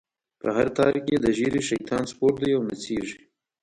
په هر تار کی یی د ږیری، شیطان سپور دی او نڅیږی